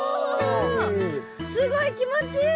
すごい気持ちいい！